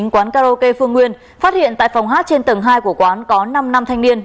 quán karaoke phương nguyên phát hiện tại phòng hát trên tầng hai của quán có năm năm thanh niên